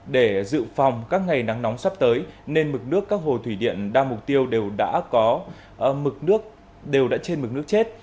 để dự phòng các ngày nắng nóng sắp tới nên mực nước các hồ thủy điện đa mục tiêu đều đã trên mực nước chết